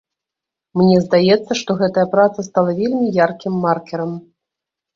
Мне здаецца, што гэтая праца стала вельмі яркім маркерам.